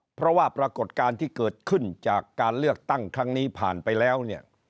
เพราะว่าปรากฏการณ์ที่เกิดขึ้นจากการเลือกตั้งครั้งนี้ผ่านไปแล้วเนี่ย